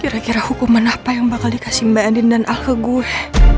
kira kira hukuman apa yang bakal dikasih mbak edin dan alke gue